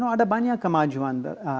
ada banyak kemajuan